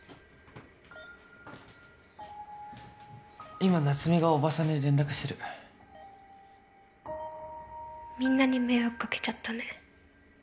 今夏美がおばさんに連絡してるみんなに迷惑かけちゃったね